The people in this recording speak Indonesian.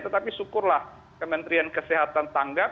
tetapi syukurlah kementerian kesehatan tanggap